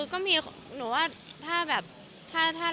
ก็บอกว่าเซอร์ไพรส์ไปค่ะ